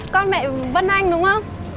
con mẹ vân anh đúng không